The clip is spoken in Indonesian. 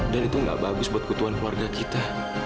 dan itu nggak bagus buat kebutuhan keluarga kita